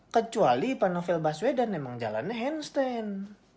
kecuali panovel baswedan emang jalannya handstand